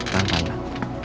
tahan tahan tahan